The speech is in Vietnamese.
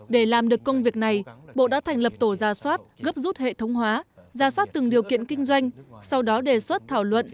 để làm được công việc này bộ đã thành lập tổ ra soát gấp rút hệ thống hóa ra soát từng điều kiện kinh doanh sau đó đề xuất thảo luận